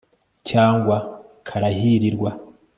cyangwa karahirirwa